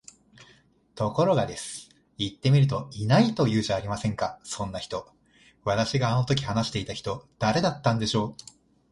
ところが、です。行ってみると居ないと言うじゃありませんか、そんな人。私があの時話していた人、誰だったんでしょう？